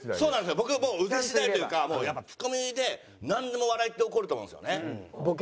僕もう腕次第というかツッコミでなんでも笑いって起こると思うんですよね。